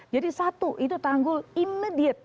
jadi satu itu tanggul imediat